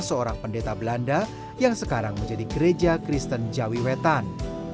seorang pendeta belanda yang sekarang menjadi gereja kristen jawi wetan